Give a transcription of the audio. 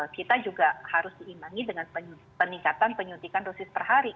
kita juga harus diimbangi dengan peningkatan penyuntikan dosis per hari